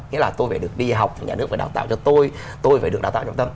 nghĩa là tôi phải được đi học thì nhà nước phải đào tạo cho tôi tôi phải được đào tạo trọng tâm